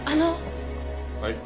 はい？